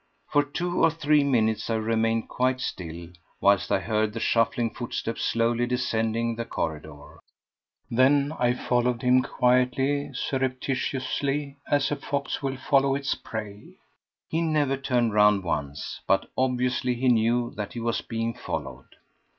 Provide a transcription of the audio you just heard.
For two or three minutes I remained quite still, whilst I heard the shuffling footsteps slowly descending the corridor. Then I followed him, quietly, surreptitiously, as a fox will follow its prey. He never turned round once, but obviously he knew that he was being followed.